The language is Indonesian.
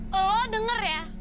lo dengar ya